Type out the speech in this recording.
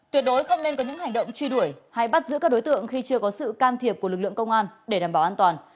tuyệt đối không nên có những hành động truy đuổi hay bắt giữ các đối tượng khi chưa có sự can thiệp của lực lượng công an để đảm bảo an toàn